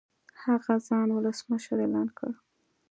هغه ځان ولسمشر اعلان کړ.